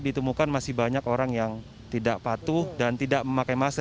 ditemukan masih banyak orang yang tidak patuh dan tidak memakai masker